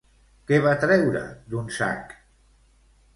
Què va treure d'un sac?